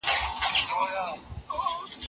که د کاغذ عمر معلوم سی نو څېړنه اسانه کیږي.